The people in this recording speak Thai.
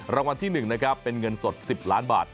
รางวัลที่๑เป็นเงินสด๑๐ล้านบาท